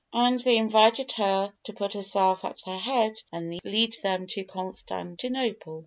And they invited her to put herself at their head and lead them to Constantinople.